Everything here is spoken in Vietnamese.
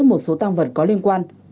một số tăng vật có liên quan